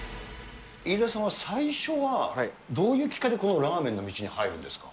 飯田さんは、最初はどういうきっかけでこのラーメンの道に入るんですか？